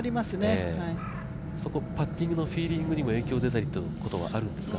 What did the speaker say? パッティングのフィーリングにも影響が出たりっていうことはあるんですか？